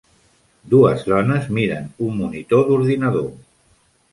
Dues dones miren un monitor d'ordinador.